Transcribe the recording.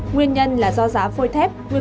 nguyên nhân là do giá phôi thép